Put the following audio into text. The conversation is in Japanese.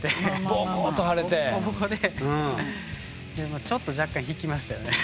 ボッコボコでちょっと若干引きましたよね。